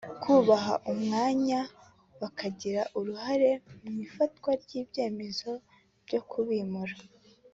kubaha umwanya bakagira uruhare mu ifatwa ry’ibyemezo byo kubimura